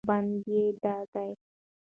چې یو بند یې دا دی: